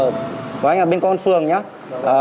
của anh ở bên con phường nhé